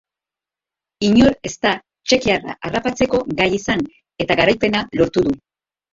Inor ez da txekiarra harrapatzeko gai izan eta garaipena lortu du.